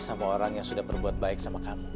sama orang yang sudah berbuat baik sama kamu